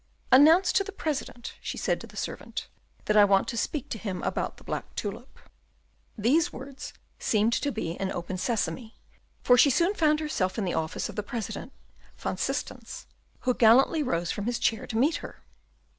"Announce to the President," she said to the servant, "that I want to speak to him about the black tulip." These words seemed to be an "Open Sesame," for she soon found herself in the office of the President, Van Systens, who gallantly rose from his chair to meet her.